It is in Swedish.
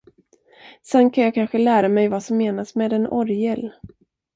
Sen kan jag kanske lära mig vad som menas med en orgel.